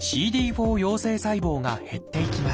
４陽性細胞が減っていきます。